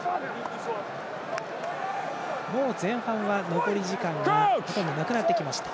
もう前半は残り時間は後がなくなってきました。